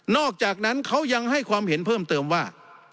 อกจากนั้นเขายังให้ความเห็นเพิ่มเติมว่า